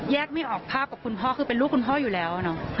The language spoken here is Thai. ไม่ออกภาพกับคุณพ่อคือเป็นลูกคุณพ่ออยู่แล้วเนอะ